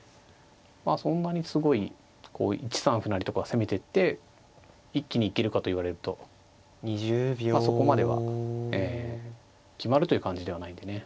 まあそんなにすごい１三歩成とかは攻めてって一気に行けるかと言われるとまあそこまでは決まるという感じではないんでね